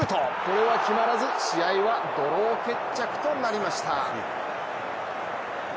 これは決まらず試合はドロー決着となりました。